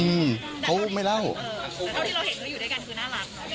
แต่ตอนที่เราเห็นเขาอยู่ด้วยกันคือน่ารัก